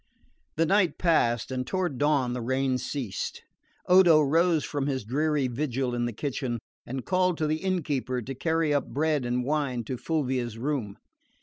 The night passed and toward dawn the rain ceased. Odo rose from his dreary vigil in the kitchen, and called to the innkeeper to carry up bread and wine to Fulvia's room.